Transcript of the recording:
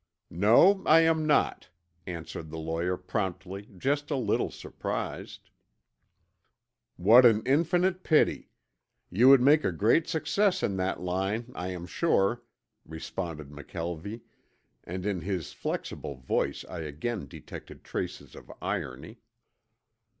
"No, I am not," answered the lawyer promptly, just a little surprised. "What an infinite pity! You would make a great success in that line I am sure," responded McKelvie, and in his flexible voice I again detected traces of irony.